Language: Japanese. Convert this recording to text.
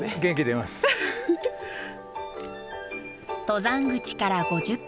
登山口から５０分。